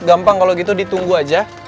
gampang kalau gitu ditunggu aja